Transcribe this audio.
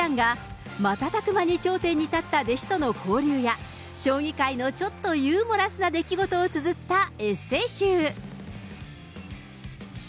その師匠、杉本八段が、瞬く間に頂点に立った弟子との交流や、将棋界のちょっとユーモラスな出来事をつづったエッセー集。